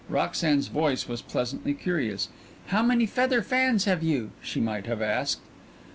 Roxanne's voice was pleasantly curious. "How many feather fans have you?" she might have asked.